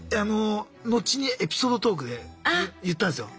後にエピソードトークで言ったんですよ。